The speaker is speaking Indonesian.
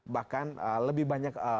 bahkan lebih banyak